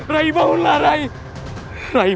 rai bangun rai